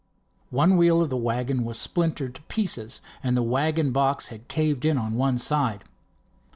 One wheel of the wagon was splintered to pieces and the wagon box had caved in on one side.